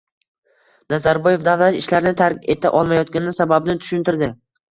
Nazarboyev davlat ishlarini tark eta olmayotgani sababini tushuntirdi